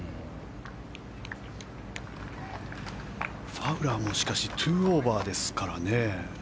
ファウラーも、しかし２オーバーですからね。